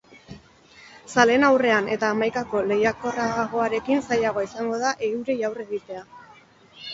Zaleen aurrean eta hamaikako lehiakorragoarekin zailagoa izango da eurei aurre egitea.